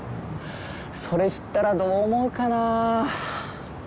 それ知ったらどう思うかなあ。